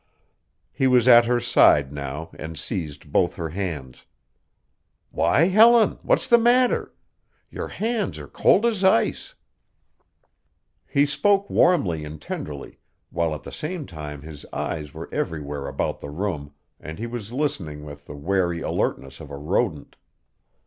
He was at her side now and seized both her hands. "Why, Helen, what's the matter? Your hands are cold as ice." He spoke warmly and tenderly, while at the same time his eyes were everywhere about the room and he was listening with the wary alertness of a rodent.